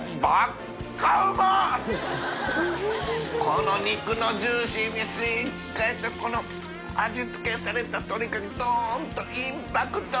この肉のジューシーに靴辰蠅この味付けされた鶏がドンとインパクト！